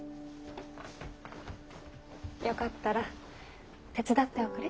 よかったら手伝っておくれ。